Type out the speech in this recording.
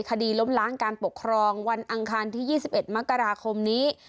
คดีล้มล้างการปกครองวันอังคารที่๒๑มกราคมนี้